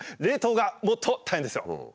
冷凍がもっと大変ですよ。